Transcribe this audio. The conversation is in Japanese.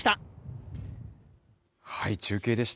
中継でした。